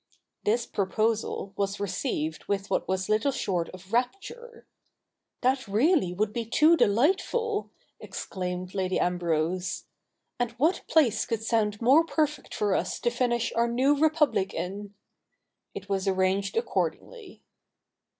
This proposal was received with what was little short of rapture. ' That really would be too delightful 1 ' exclaimed Lady Ambrose. ' And what place could sound more perfect for us to finish our new Republic in !' It was arranged accordingly.